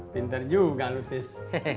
pinter juga lutis